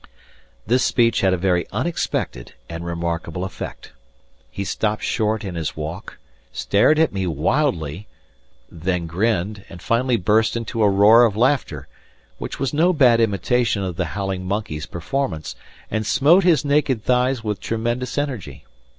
This speech had a very unexpected and remarkable effect. He stopped short in his walk, stared at me wildly, then grinned, and finally burst into a roar of laughter, which was no bad imitation of the howling monkey's performance, and smote his naked thighs with tremendous energy.